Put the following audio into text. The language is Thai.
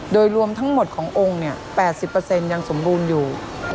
โดยรวมทั้งหมดขององค์เนี่ย๘๐เปอร์เซ็นต์ยังสมบูรณ์อยู่